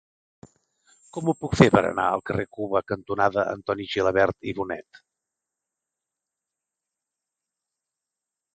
Com ho puc fer per anar al carrer Cuba cantonada Antoni Gilabert i Bonet?